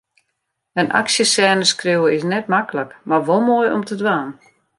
In aksjesêne skriuwe is net maklik, mar wol moai om te dwaan.